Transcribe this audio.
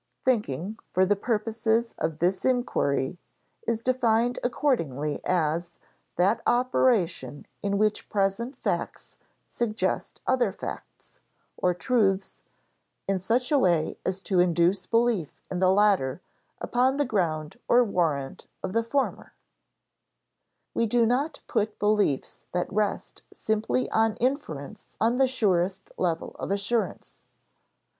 Thinking, for the purposes of this inquiry, is defined accordingly as _that operation in which present facts suggest other facts (or truths) in such a way as to induce belief in the latter upon the ground or warrant of the former_. We do not put beliefs that rest simply on inference on the surest level of assurance.